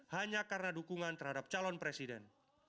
hanya karena dukungan terhadap calon presiden